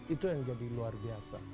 itu yang jadi luar biasa